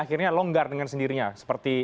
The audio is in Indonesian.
akhirnya longgar dengan sendirinya seperti